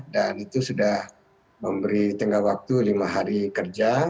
dan itu sudah memberi tinggal waktu lima hari kerja